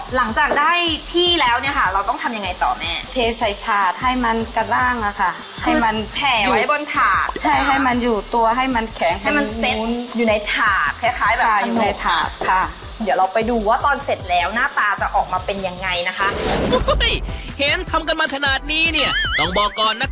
หลังจากได้ที่แล้วเนี่ยค่ะ